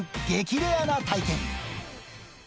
レアな体験。